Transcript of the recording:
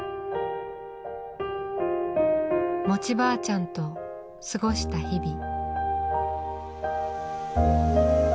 餅ばあちゃんと過ごした日々。